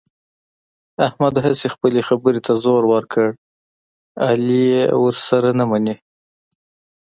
احمد هسې خپلې خبرې ته زور ور کړ، علي یې ورسره نه مني.